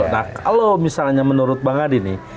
nah kalau misalnya menurut bang adi nih